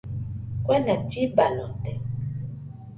Kuena llibanote.